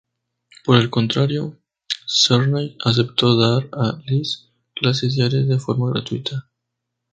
Por el contrario, Czerny aceptó dar a Liszt clases diarias de forma gratuita.